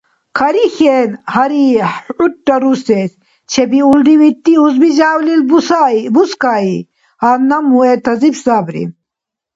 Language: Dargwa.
Карихьен, гъари, хӀура русес. Чебиулрив, итди узби жявлил бускаи, гьанна муэртазиб саби.